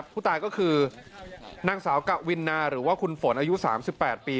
ผู้ตายก็คือนางสาวกะวินนาหรือว่าคุณฝนอายุ๓๘ปี